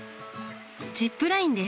ジップラインです。